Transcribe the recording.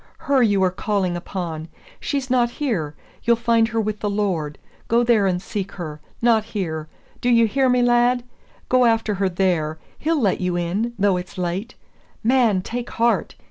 her you are calling upon. She's not here. You'll find her with the Lord. Go there and seek her, not here. Do you hear me, lad? go after her there. He'll let you in, though it's late. Man, take heart!